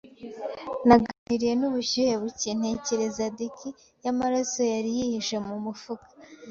Naganiriye nubushyuhe buke, ntekereza dirk yamaraso yari yihishe mumufuka